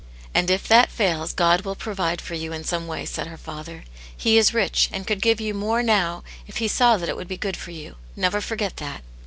And if that fails, God will provide for you in some way," said her father. " He is rich, and could give you more now if He saw that it would be good for you. Never forget that."